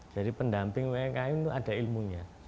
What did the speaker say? jadi pendamping umkm itu ada ilmunya